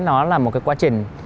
nó là một cái quá trình